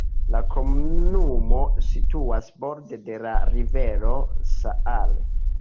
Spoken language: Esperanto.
La komunumo situas borde de la rivero Saale.